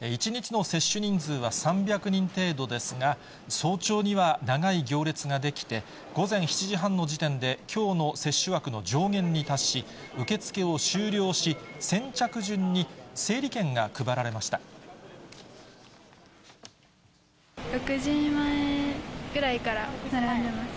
１日の接種人数は３００人程度ですが、早朝には長い行列が出来て、午前７時半の時点で、きょうの接種枠の上限に達し、受け付けを終了し、６時前ぐらいから並んでます。